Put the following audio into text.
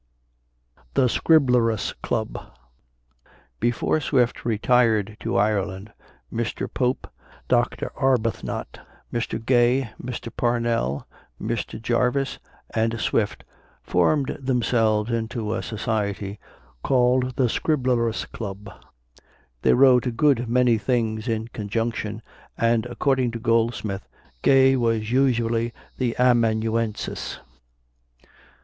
THE SCRIBLERUS CLUB. Before Swift retired to Ireland, Mr. Pope, Dr. Arbuthnot, Mr. Gay, Mr. Parnell, Mr. Jervas, and Swift formed themselves into a society called the Scriblerus Club. They wrote a good many things in conjunction, and, according to Goldsmith, Gay was usually the amanuensis.